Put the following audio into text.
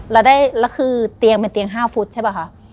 แล้วเป็นเตียง๕ใช่ป่ะคะ